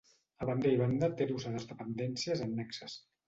A banda i banda té adossades dependències annexes.